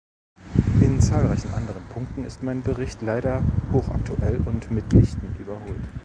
In zahlreichen anderen Punkten ist mein Bericht leider hochaktuell und mitnichten überholt.